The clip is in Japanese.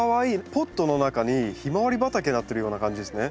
ポットの中にヒマワリ畑になっているような感じですね。